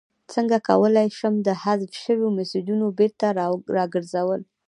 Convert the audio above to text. څنګه کولی شم د حذف شویو میسجونو بیرته راګرځول